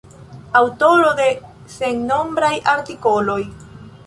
Aŭtoro de sennombraj artikoloj.